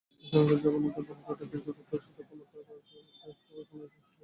সেই সঙ্গে যবনিকাপাত ঘটে দীর্ঘ অর্ধশতক ক্ষমতা আঁকড়ে থাকা সামরিক শাসনের।